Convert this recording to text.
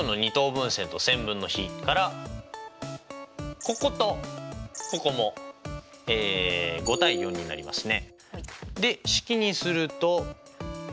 分線と線分の比からこことここも５：４になりますね。